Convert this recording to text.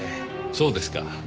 そうですか。